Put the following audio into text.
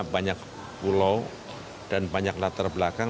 banyak pulau dan banyak latar belakang